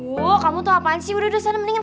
bu kamu tuh apaan sih udah udah sana mendingan